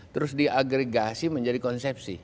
terus diagregasi menjadi konsepsi